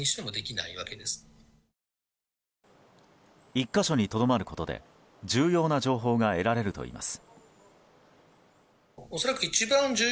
１か所にとどまることで重要な情報が得られるといいます。